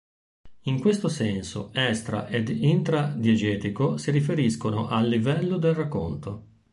In questo senso extra- ed intra-diegetico si riferiscono al livello del racconto.